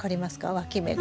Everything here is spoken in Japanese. わき芽が。